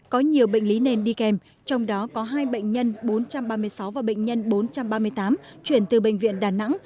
có nhiều bệnh lý nền đi kèm trong đó có hai bệnh nhân bốn trăm ba mươi sáu và bệnh nhân bốn trăm ba mươi tám chuyển từ bệnh viện đà nẵng